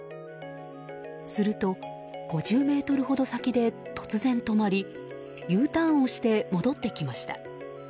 すると５０ｍほど先で突然止まりＵターンをして戻ってきました。